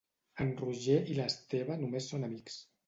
En Roger i l'Esteve només són amics.